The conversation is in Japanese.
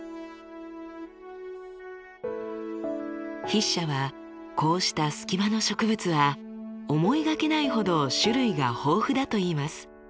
筆者はこうしたスキマの植物は思いがけないほど種類が豊富だと言います。